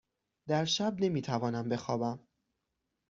در شب نمی توانم بخوابم.